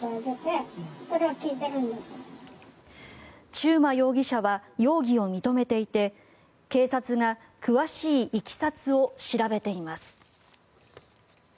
中馬容疑者は容疑を認めていて警察が詳しいいきさつを調べています。